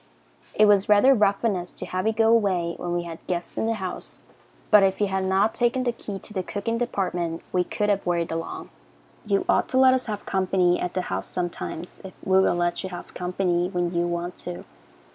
It was rather rough on us to have you go away when we had guests in the house, but if you had not taken the key to the cooking department we could have worried along. You ought to let us have company at the house sometimes if we will let you have company when you want to.